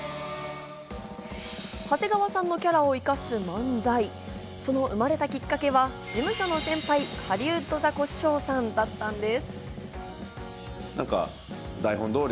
長谷川さんのキャラを生かす漫才、その生まれたきっかけは、事務所の先輩、ハリウッドザコシショウさんだったんです。